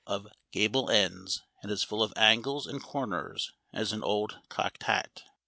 of gable ends, and as full of angles and corners as an old cocked hat.